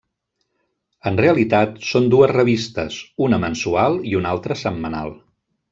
En realitat són dues revistes, una mensual i una altra setmanal.